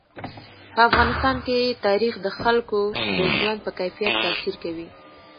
په افغانستان کې تاریخ د خلکو د ژوند په کیفیت تاثیر کوي.